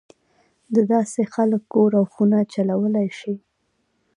دداسې خلک کور او خونه چلولای شي.